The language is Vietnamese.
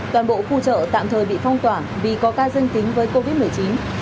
toàn bộ khu chợ tạm thời bị phong tỏa vì có ca dân tính với covid một mươi chín